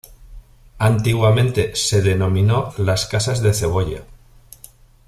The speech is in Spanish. Antiguamente se denominó ""Las Casas de Cebolla"".